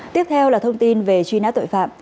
tiếp theo là thông tin về truy nã tội phạm